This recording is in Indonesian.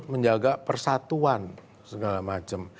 menjaga persatuan segala macam